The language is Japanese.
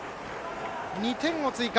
２点を追加。